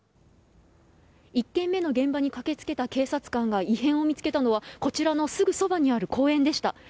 １件目の現場に駆け付けた警察官が異変を見つけたのはこちらのすぐそばにある公園でした。